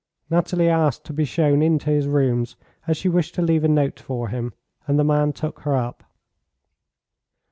Nathalie asked to be shown into his rooms, as she wished to leave a note for him, and the man took her up.